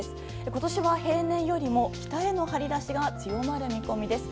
今年は平年よりも北への張り出しが強まる見込みです。